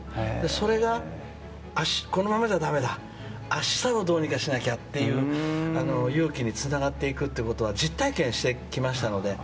それが、このままじゃだめだ明日をどうにかしなきゃという勇気につながっていくことは実体験してきましたので。